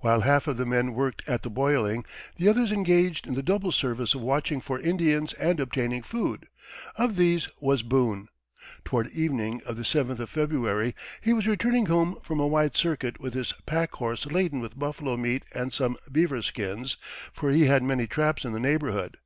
While half of the men worked at the boiling, the others engaged in the double service of watching for Indians and obtaining food; of these was Boone. Toward evening of the seventh of February he was returning home from a wide circuit with his packhorse laden with buffalo meat and some beaver skins, for he had many traps in the neighborhood.